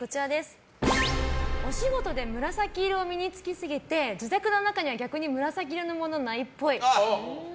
お仕事で紫色を身に着けすぎて自宅の中には逆に紫色のものないっぽい。